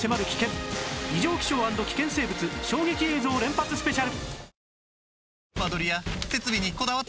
異常気象＆危険生物衝撃映像連発スペシャル